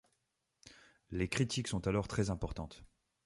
Les critiques sont alors très importantes.